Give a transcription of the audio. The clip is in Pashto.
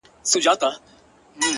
خود به يې اغزی پرهر. پرهر جوړ کړي.